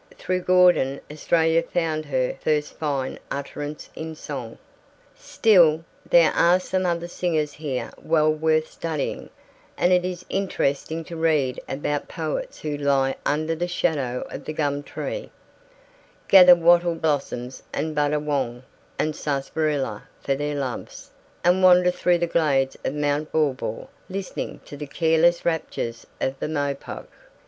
Through Gordon Australia found her first fine utterance in song. Still, there are some other singers here well worth studying, and it is interesting to read about poets who lie under the shadow of the gum tree, gather wattle blossoms and buddawong and sarsaparilla for their loves, and wander through the glades of Mount Baw baw listening to the careless raptures of the mopoke.